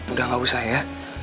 udah gak usah ya